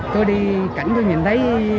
thì cái này là